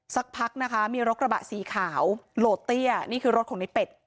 สักพักนะคะมีรถกระบะสีขาวโหลดเตี้ยนี่คือรถของในเป็ด